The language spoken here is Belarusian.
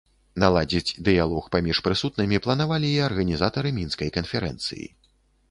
Наладзіць дыялог паміж прысутнымі планавалі і арганізатары мінскай канферэнцыі.